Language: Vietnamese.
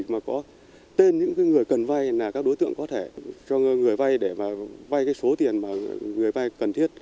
mà có tên những người cần vay là các đối tượng có thể cho người vay để mà vay cái số tiền mà người vay cần thiết